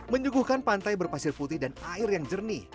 menyuguhkan pantai berpasir putih dan air yang jernih